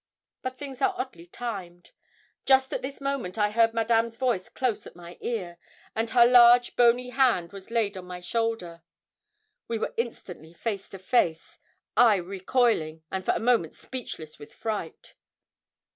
But things are oddly timed. Just at this moment I heard Madame's voice close at my ear, and her large bony hand was laid on my shoulder. We were instantly face to face I recoiling, and for a moment speechless with fright.